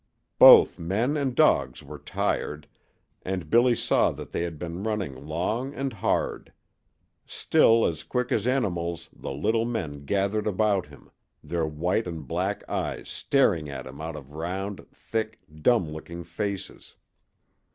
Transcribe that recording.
Both men and dogs were tired, and Billy saw that they had been running long and hard. Still as quick as animals the little men gathered about him, their white and black eyes staring at him out of round, thick, dumb looking faces.